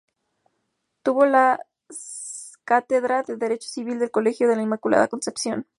Tuvo la cátedra de Derecho Civil del colegio de la Inmaculada Concepción.